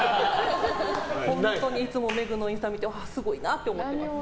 本当にいつもメグのインスタ見てわあ、すごいなって思ってます。